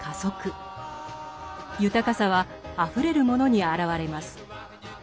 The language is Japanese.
豊かさはあふれるモノにあらわれます。